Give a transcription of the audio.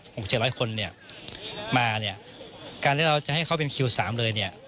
กเจ็ดร้อยคนเนี่ยมาเนี่ยการที่เราจะให้เขาเป็นคิวสามเลยเนี่ย